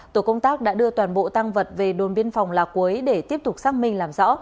tổ công tác đã đưa toàn bộ tăng vật về đồn biên phòng là cuối để tiếp tục xác minh làm rõ